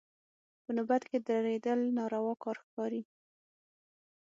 په نوبت کې درېدل ناروا کار ښکاري.